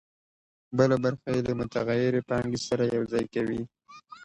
بله برخه یې له متغیرې پانګې سره یوځای کوي